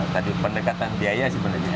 tadi pendekatan biaya sebenarnya